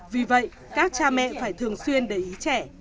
vì vậy các cha mẹ phải thường xuyên để ý trẻ